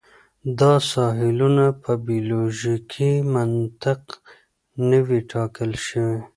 دا ساحلونه په بیولوژیکي منطق نه وې ټاکل شوي.